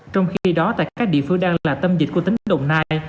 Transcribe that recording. trong khi đó tại các địa phương đang là tâm dịch của tỉnh đồng nai